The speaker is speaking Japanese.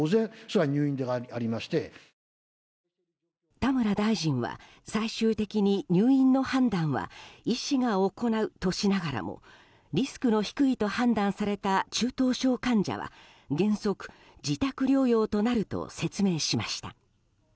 田村大臣は最終的に入院の判断は医師が行うとしながらもリスクの低いと判断された中等症患者は原則、自宅療養となると説明しました。